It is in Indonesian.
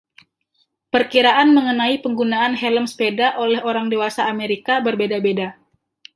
Perkiraan mengenai penggunaan helm sepeda oleh orang dewasa Amerika berbeda-beda.